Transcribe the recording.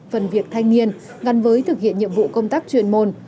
phần việc thanh niên gắn với thực hiện nhiệm vụ công tác chuyên môn